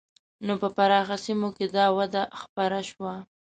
نو په پراخو سیمو کې دا وده خپره شوه.